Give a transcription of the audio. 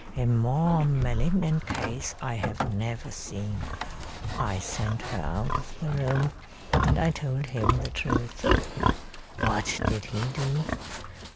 A more malignant case I have never seen. I sent her out of the room and I told him the truth. What did he do?